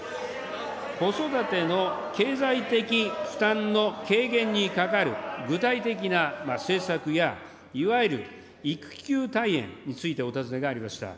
子育ての経済的負担の軽減にかかる具体的な政策や、いわゆる育休退園についてお尋ねがありました。